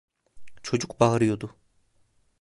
Çocuk bağırıyordu.